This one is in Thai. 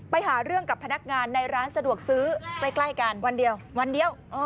ไปหาเรื่องกับพนักงานในร้านสะดวกซื้อใกล้กันวันเดียววันเดียว